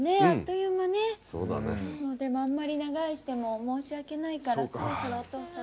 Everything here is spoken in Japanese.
でもあんまり長居しても申し訳ないからそろそろお父さん。